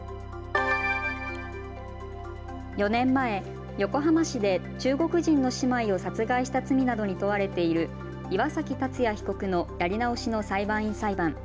４年前、横浜市で中国人の姉妹を殺害した罪などに問われている岩嵜竜也被告のやり直しの裁判員裁判。